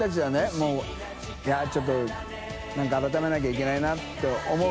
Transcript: もういちょっと何か改めなきゃいけないなと思う。